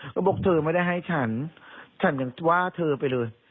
ก็บอกเธอไม่ได้ให้ฉันฉันยังว่าเธอไปเลย